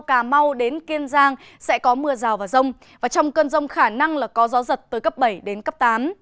cà mau đến kiên giang sẽ có mưa rào và rông và trong cơn rông khả năng là có gió giật từ cấp bảy đến cấp tám